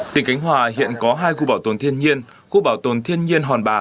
tỉnh cánh hòa hiện có hai khu bảo tồn thiên nhiên khu bảo tồn thiên nhiên hòn bà